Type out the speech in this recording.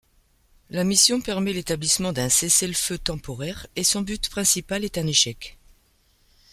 La mission permet l'établissement d'un cessez-le-feu temporaire et son but principal est un échec.